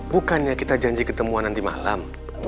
bukannya kita janji ketemuan nanti malam